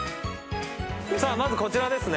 まずこちらですね